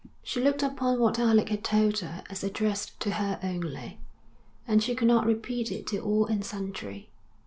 She looked upon what Alec had told her as addressed to her only, and she could not repeat it to all and sundry.